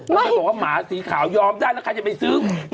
แล้วไปบอกว่าหมาสีขาวยอมได้แล้วใครจะไปซื้อ